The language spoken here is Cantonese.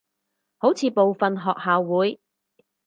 好似部份學校會